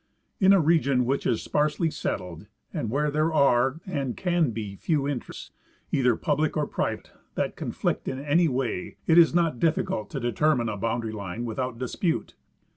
In a region which is sparsely settled and where there are and can be few interests, either public or private, that con flict in any way, it is not difficult to determine a boundary line without dispute.